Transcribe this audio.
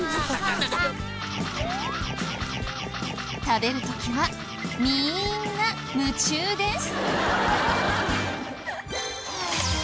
食べる時はみんな夢中です。